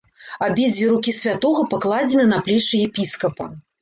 Абедзве рукі святога пакладзены на плечы епіскапа.